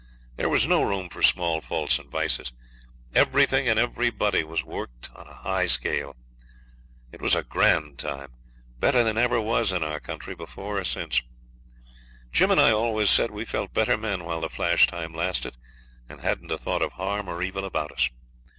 There was no room for small faults and vices; everything and everybody was worked on a high scale. It was a grand time better than ever was in our country before or since. Jim and I always said we felt better men while the flash time lasted, and hadn't a thought of harm or evil about us.